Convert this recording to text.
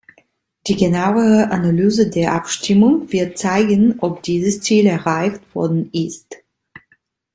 Die genauere Analyse der Abstimmung wird zeigen, ob dieses Ziel erreicht worden ist.